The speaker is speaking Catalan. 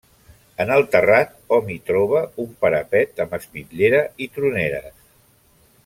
En el terrat hom hi troba un parapet amb espitllera i troneres.